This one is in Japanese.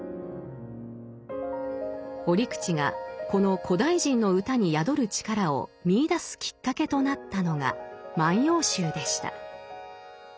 折口がこの古代人の歌に宿る力を見いだすきっかけとなったのが「万葉集」でした。